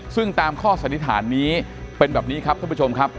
ซึ่งตามข้อสันนิษฐานนี้เป็นแบบนี้ครับท่านผู้ชมครับ